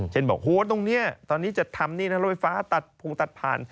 เช่นบอกโฮ้ตรงเนี้ยตอนนี้จะทำนี่นะเราไปฟ้าตัดคุ้งตัดพาน